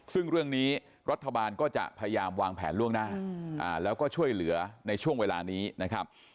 ซึ่งเรื่องนี้รัฐบาลก็จะพยายามวางแผนล่วงหน้าแล้วก็ช่วยเหลือในช่วงเวลานี้นะครับ